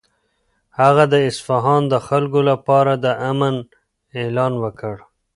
هغه د اصفهان د خلکو لپاره د امن اعلان وکړ.